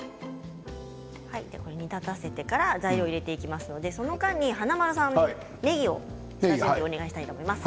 煮立たせてから材料を入れていきますのでその間に華丸さんねぎをお願いしたいと思います。